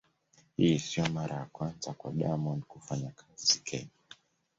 Hii sio mara ya kwanza kwa Diamond kufanya kazi Kenya.